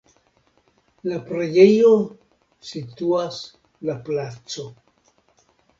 La preĝejo situas la placo.